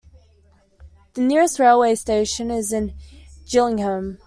The nearest railway station is in Gillingham.